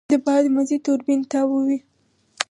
د باد مزی توربین تاووي.